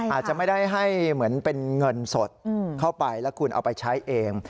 อาจจะไม่ได้ให้เหมือนเป็นเงินสดเข้าไปแล้วคุณเอาไปใช้เอง